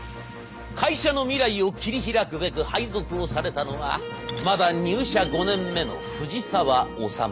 会社の未来を切り開くべく配属をされたのはまだ入社５年目の藤沢修。